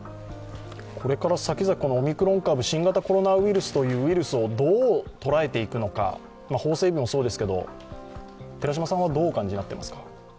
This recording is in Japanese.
これからさきざき、オミクロン株新型コロナウイルスというウイルスをどう捉えていくのか法整備もそうですけれども、寺嶋さんはどうお感じになっていますか。